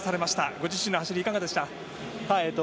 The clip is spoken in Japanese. ご自身の走りいかがでしたか？